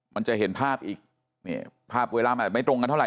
มันจะเห็นภาพอีกภาพเวลามันไม่ตรงกันเท่าไ